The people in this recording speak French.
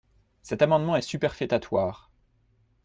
Cet amendement est superfétatoire.